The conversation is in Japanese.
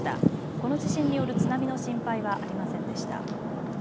この地震による津波の心配はありませんでした。